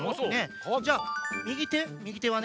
じゃあみぎてみぎてはね